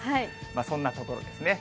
そんなところですね。